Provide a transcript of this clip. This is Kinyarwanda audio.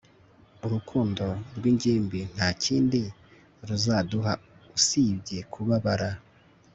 urukundo rwingimbi ntakindi ruzaduha usibye kubabara